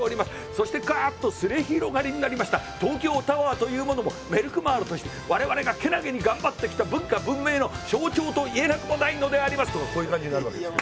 そしてガッと末広がりになりました東京タワーというものもメルクマールとして我々がけなげに頑張ってきた文化文明の象徴と言えなくもないのでありますとかこういう感じになるわけですよ。